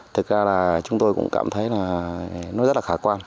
thực ra là chúng tôi cũng cảm thấy là nó rất là khả quan